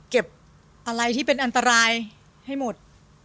เก็บอะไรที่เป็นอันตรายให้หมด